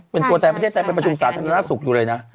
เป็นตัวใดขวาประชุมศาสนรสุพคอยู่เลยนะ